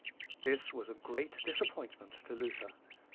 This was a great disappointment to Luther.